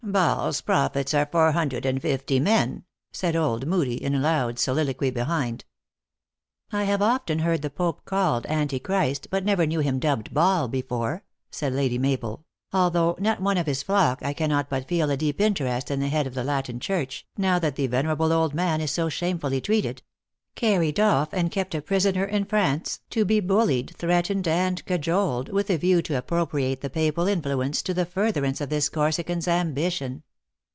" Baal s prophets are four hundred and fifty men," said old Moodie, in loud soliloquy behind. "I have often heard the Pope called Antichrist, but never knew him dubbed Baal before," said Lady Mabel. " Although not one of his fiock, I cannot but 164 THE ACTRESS IN HIGH LIFE. feel a deep interest in the head of the Latin Church, now that the venerable old man is so shamefully treated ; carried off and kept a prisoner in France, to be bullied, threatened, and cajoled, with a view to ap propriate the papal influence to the furtherance of this Corsican s ambition."